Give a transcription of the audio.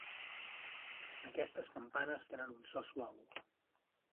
Aquestes campanes tenen un so suau.